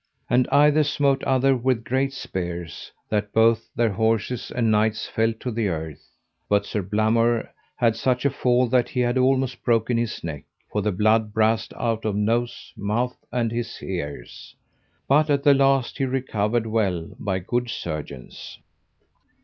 And either smote other with great spears, that both their horses and knights fell to the earth. But Sir Blamore had such a fall that he had almost broken his neck, for the blood brast out at nose, mouth, and his ears, but at the last he recovered well by good surgeons.